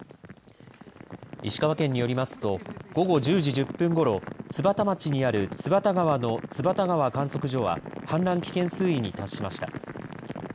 石川県によりますと午後１０時１０分ごろ津幡町にある津幡川の津幡川観測所は氾濫危険水位に達しました。